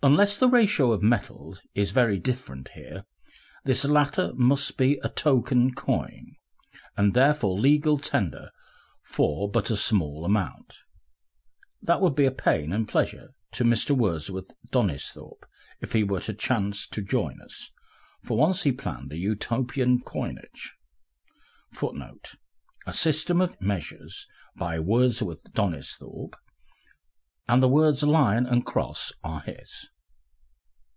Unless the ratio of metals is very different here, this latter must be a token coin, and therefore legal tender for but a small amount. (That would be pain and pleasure to Mr. Wordsworth Donisthorpe if he were to chance to join us, for once he planned a Utopian coinage, [Footnote: A System of Measures, by Wordsworth Donisthorpe.] and the words Lion and Cross are his.